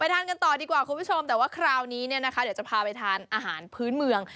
ทานกันต่อดีกว่าคุณผู้ชมแต่ว่าคราวนี้เนี่ยนะคะเดี๋ยวจะพาไปทานอาหารพื้นเมือง